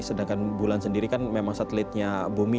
sedangkan bulan sendiri kan memang satelitnya bumi